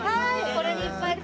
これにいっぱい買おう。